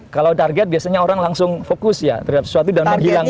kalau target biasanya orang langsung fokus ya terhadap sesuatu dan menghilangkan